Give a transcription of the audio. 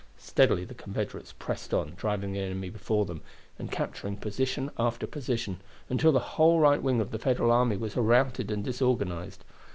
Steadily the Confederates pressed on, driving the enemy before them, and capturing position after position, until the whole right wing of the Federal army was routed and disorganized.